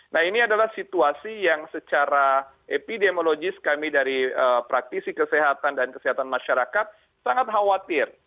nah ini adalah situasi yang secara epidemiologis kami dari praktisi kesehatan dan kesehatan masyarakat sangat khawatir